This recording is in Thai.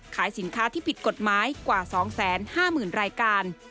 ขายสินค้าที่ผิดกฎหมายกว่า๒๕๐๐๐รายการ